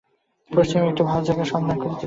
পশ্চিমে একটা ভালো জায়গার সন্ধান করিতেছি।